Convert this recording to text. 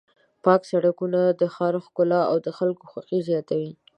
پاک سړکونه د ښار ښکلا او د خلکو خوښي زیاتوي.